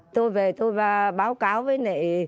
tôi về tôi và báo cáo với nệ